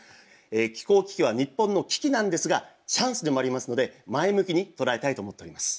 気候危機は日本の危機なんですがチャンスでもありますので前向きに捉えたいと思っております。